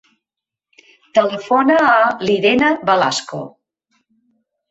Telefona a l'Irene Velasco.